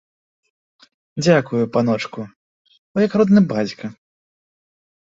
Дзякую, паночку, вы як родны бацька!